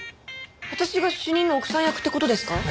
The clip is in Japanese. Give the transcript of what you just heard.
私が主任の奥さん役って事ですか？